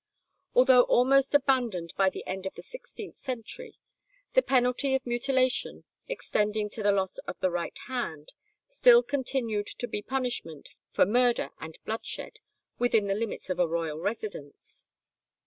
Although almost abandoned by the end of the sixteenth century, the penalty of mutilation, extending to the loss of the right hand, still continued to be punishment for murder and bloodshed within the limits of a royal residence.